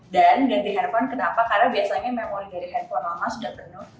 dan ganti handphone kenapa karena biasanya memori dari handphone lama sudah penuh